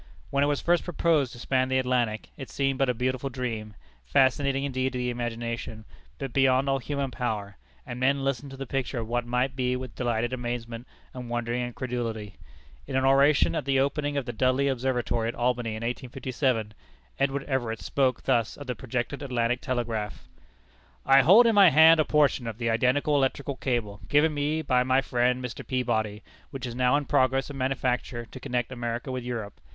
When it was first proposed to span the Atlantic, it seemed but a beautiful dream, fascinating indeed to the imagination, but beyond all human power; and men listened to the picture of what might be with delighted amazement and wondering incredulity. In an oration at the opening of the Dudley Observatory at Albany, in 1857, Edward Everett spoke thus of the projected Atlantic Telegraph: "I hold in my hand a portion of the identical electrical cable, given me by my friend Mr. Peabody, which is now in progress of manufacture to connect America with Europe.